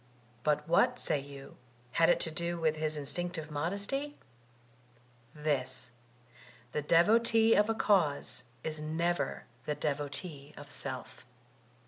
But what, say you, had it to do with his instinctive modesty? This: the devotee of a cause is never the devotee of self.